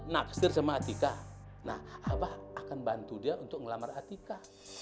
nafsir sama atika nah abah akan bantu dia untuk ngelamar atika